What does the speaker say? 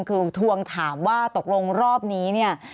คือทวงถามว่าตกลงรอบนี้เนี่ย